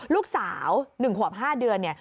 ลูกสาว๑ขวบ๕เดือน